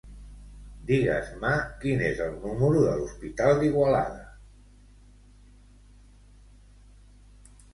Digues-me quin és el número de l'hospital d'Igualada.